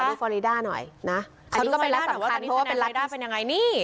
อันนี้ก็เป็นรัฐสำคัญเพราะว่าเป็นรัฐที่